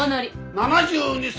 ７２歳。